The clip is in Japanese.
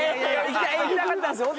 行きたかったんですよ！